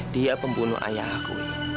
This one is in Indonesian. dia pembunuh ayah aku